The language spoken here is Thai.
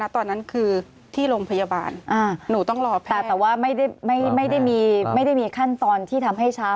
แต่ไม่ได้มีขั้นตอนที่ทำให้ช้า